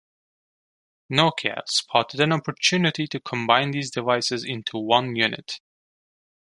Nokia spotted an opportunity to combine these devices into one unit.